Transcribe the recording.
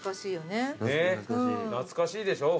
ねっ懐かしいでしょ？